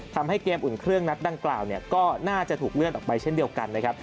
ทำให้เกมอุ่นเครื่องนัดดังกล่าวก็น่าจะถูกเลื่อนออกไปเช่นเดียวกันนะครับ